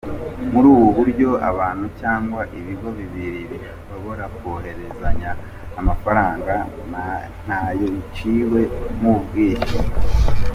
Muri ubu buryo abantu cyangwa ibigo bibiri bishobora kohererezanya amafaranga ntayo biciwe nk’ubwishyu.